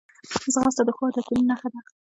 ځغاسته د ښو عادتونو نښه ده